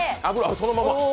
そのまま！